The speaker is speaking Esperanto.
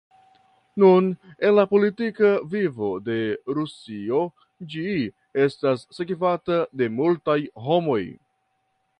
Nun en la politika vivo de Rusio ĝi estas sekvata de multaj homoj.